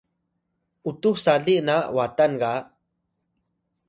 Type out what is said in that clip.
utux sali na Watan ga